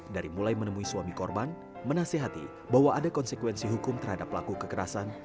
dari mulai menemui suami korban menasehati bahwa ada konsekuensi hukum terhadap pelaku kekerasan